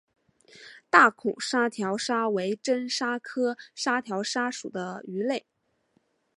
大孔沙条鲨为真鲨科沙条鲨属的鱼类。